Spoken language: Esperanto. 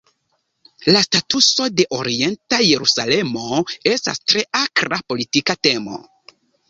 La statuso de Orienta Jerusalemo estas tre akra politika temo.